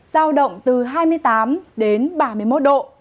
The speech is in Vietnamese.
giao động từ hai mươi tám đến ba mươi một độ